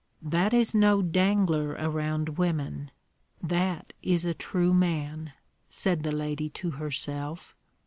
"That is no dangler around women; that is a true man," said the lady to herself.